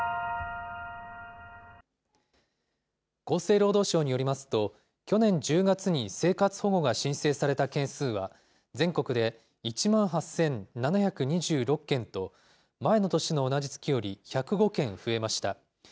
厚生労働省によりますと、去年１０月に生活保護が申請された件数は、全国で１万８７２６件と、前の年の同じ月より１０５件増えました。